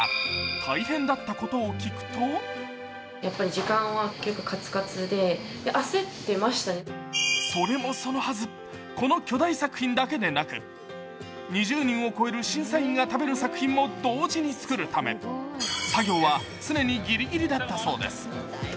大変だったことを聞くとそれもそのはず、この巨大作品だけでなく、２０人を超える審査員が食べる作品も同時に作るため作業は常にギリギリだったそうです。